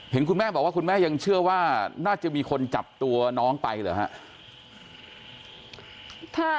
คุณแม่บอกว่าคุณแม่ยังเชื่อว่าน่าจะมีคนจับตัวน้องไปเหรอครับ